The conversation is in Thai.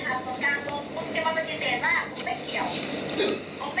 คุณก็จะหาทางลงข่าวคุณต้องไม่ดีเหมือนกัน